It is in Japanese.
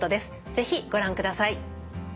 是非ご覧ください。